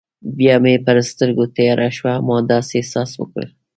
بیا مې پر سترګو تیاره شوه، ما داسې احساس وکړل.